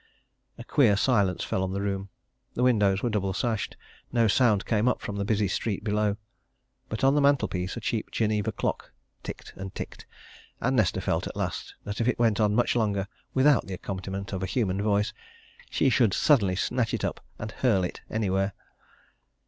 A queer silence fell on the room. The windows were double sashed; no sound came up from the busy street below. But on the mantelpiece a cheap Geneva clock ticked and ticked, and Nesta felt at last that if it went on much longer, without the accompaniment of a human voice, she should suddenly snatch it up, and hurl it anywhere.